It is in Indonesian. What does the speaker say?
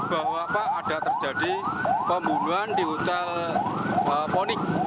bahwa ada terjadi pembunuhan di hotel ponik